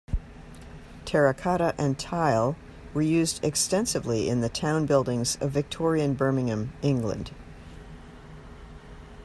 Terracotta and tile were used extensively in the town buildings of Victorian Birmingham, England.